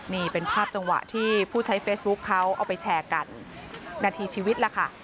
นี่เป็นภาพจังหวะที่ผู้ใช้เฟซบุ๊คเขาเอาไปแชร์กันนาทีชีวิตล่ะค่ะ